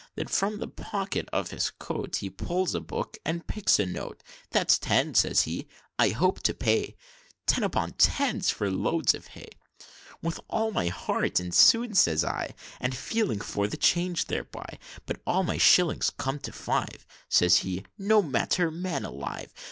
Then, from the pocket of his coat, He pulls a book, and picks a note. 'That's Ten,' says he 'I hope to pay Tens upon tens for loads of hay.' 'With all my heart, and soon,' says I, And feeling for the change thereby; But all my shillings com'd to five Says he, 'No matter, man alive!